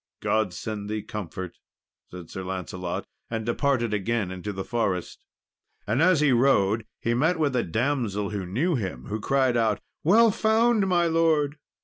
"God send thee comfort," said Sir Lancelot, and departed again into the forest. And as he rode, he met with a damsel who knew him, who cried out, "Well found, my lord!